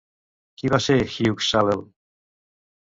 Qui va ser Hugues Salel?